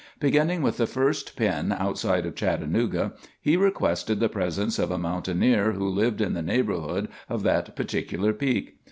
Beginning with the first pin outside of Chattanooga, he requested the presence of a mountaineer who lived in the neighborhood of that particular peak.